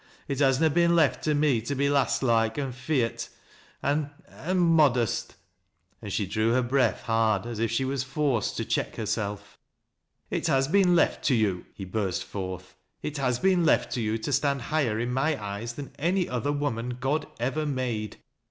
It has na been left to ne to be lass loike, an' feart, an' — an' modest," and she drew her breath hard, a? if she was forced to check herself. " It has been left to you," he burst forth, " it has been left to you to stand higher in my eyes than any othei woman God ever made."